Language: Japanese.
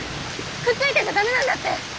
くっついてちゃ駄目なんだって。